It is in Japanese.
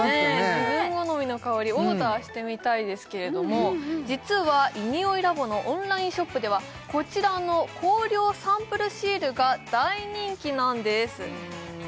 自分好みの香りオーダーしてみたいですけれども実はｉｎｉｏｉＬａｂ．のオンラインショップではこちらの香料サンプルシールが大人気なんです